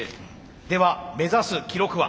では目指す記録は？